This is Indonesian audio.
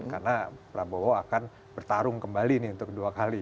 karena prabowo akan bertarung kembali nih untuk dua kali